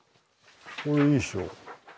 これいいでしょ？